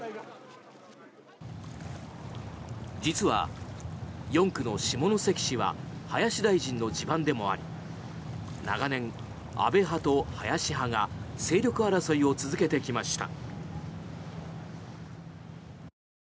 実は、４区の下関市は林大臣の地盤でもあり長年、安倍派と林派が勢力争いを続けてきました。